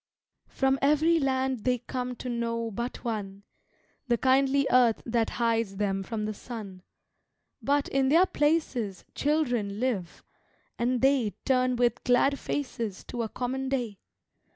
From every land they come to know but one The kindly earth that hides them from the sun But, in their places, children live, and they Turn with glad faces to a common day.